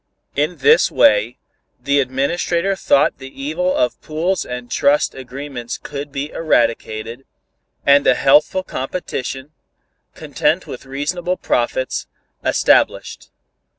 In this way, the Administrator thought the evil of pools and trust agreements could be eradicated, and a healthful competition, content with reasonable profits, established.